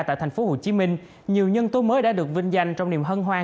tại thành phố hồ chí minh nhiều nhân tố mới đã được vinh danh trong niềm hân hoan